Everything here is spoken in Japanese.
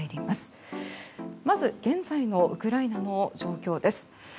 まず現在のウクライナの状況です。